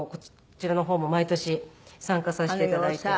こちらの方も毎年参加させていただいて。